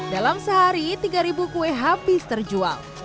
dalam sehari tiga ribu kue habis terjual